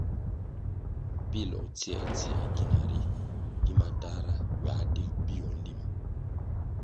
Pilʼ o tsiē tsiē gina ri, gi matahra ywā digʼ bio nlima.